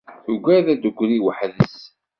tuggad ad d-tegri waḥd-s.